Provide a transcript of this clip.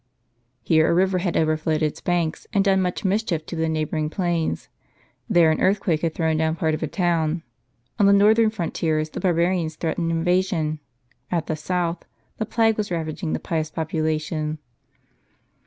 Here a river had overflowed its banks, and done much mischief to the neighboring plains; there an earthquake had thrown down part of a town; on the northern frontiers the barbarians threatened invasion ; at the south, the plague was ravaging the pious population.